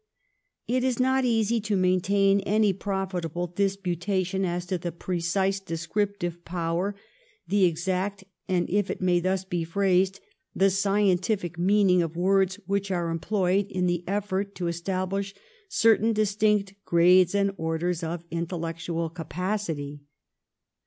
It is not easy to maintain any profitable disputa tion as to the precise descriptive power, the exact and, if it may thus be phrased, the scientific meaning of words which are employed in the efibrt to estabhsh certain distinct grades and orders of intellectual capacity.